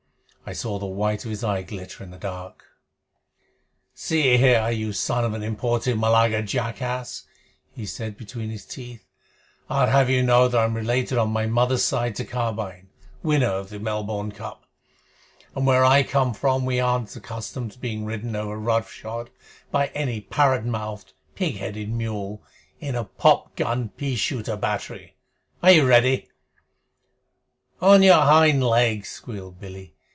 I saw the white of his eye glitter in the dark. "See here, you son of an imported Malaga jackass," he said between his teeth, "I'd have you know that I'm related on my mother's side to Carbine, winner of the Melbourne Cup, and where I come from we aren't accustomed to being ridden over roughshod by any parrot mouthed, pig headed mule in a pop gun pea shooter battery. Are you ready?" "On your hind legs!" squealed Billy.